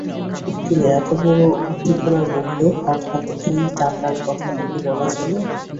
কিন্তু এতবড়ো উদ্দীপনার মুখে হঠাৎ এই টাকার কথাটা কি বলা চলে?